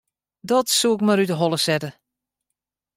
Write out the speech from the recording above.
Dat soe ik mar út 'e holle sette.